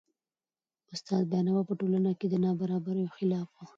استاد بینوا په ټولنه کي د نابرابریو خلاف و .